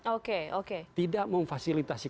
oke oke tidak memfasilitasi